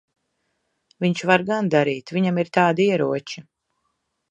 Viņš var gan darīt. Viņam ir tādi ieroči.